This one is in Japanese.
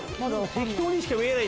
適当にしか見えない